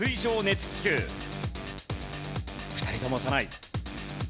２人とも押さない。